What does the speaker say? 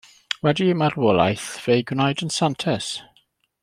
Wedi ei marwolaeth fe'i gwnaed yn santes.